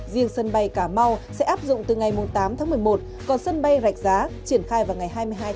riêng sân bay cà mau sẽ áp dụng từ ngày tám một mươi một còn sân bay rạch giá triển khai vào ngày hai mươi hai một mươi một